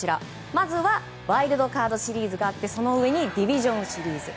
まずはワイルドカードシリーズがあってその上にディビジョンシリーズ。